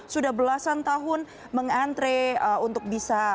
sudah belasan tahun mengantre untuk bisa